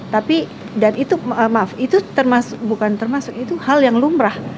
tapi dan itu maaf itu bukan termasuk itu hal yang lumrah